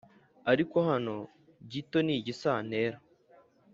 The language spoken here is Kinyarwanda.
ariko hano gito ni igisantera